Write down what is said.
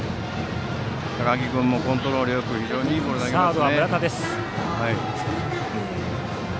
高木君もコントロールよく非常にいいボール投げますね。